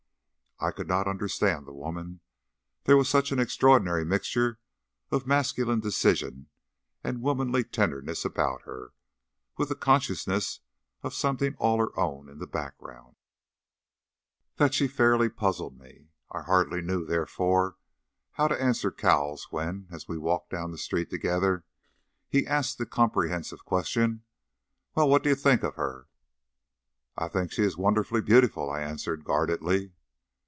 I could not understand the woman. There was such an extraordinary mixture of masculine decision and womanly tenderness about her, with the consciousness of something all her own in the background, that she fairly puzzled me. I hardly knew, therefore, how to answer Cowles when, as we walked down the street together, he asked the comprehensive question "Well, what do you think of her?" "I think she is wonderfully beautiful," I answered guardedly.